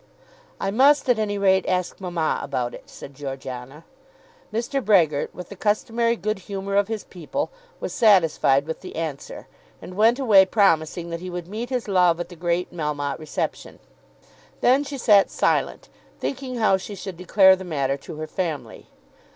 "I must at any rate ask mamma about it," said Georgiana. Mr. Brehgert, with the customary good humour of his people, was satisfied with the answer, and went away promising that he would meet his love at the great Melmotte reception. Then she sat silent, thinking how she should declare the matter to her family.